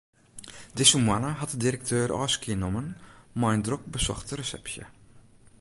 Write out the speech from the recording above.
Dizze moanne hat de direkteur ôfskie nommen mei in drok besochte resepsje.